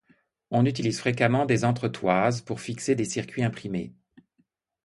On utilise fréquemment des entretoises pour fixer des circuits imprimés.